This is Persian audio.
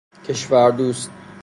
کشور دوست